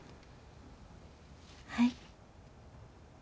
はい。